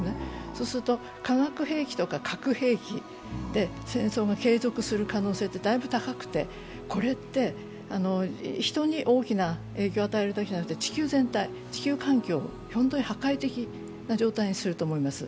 そうすると化学兵器とか核兵器で戦争が継続する可能性ってだいぶ高くて、これって人に大きな影響を与えるだけじゃなくて、地球全体、地球環境、本当に破壊的な状態にすると思います。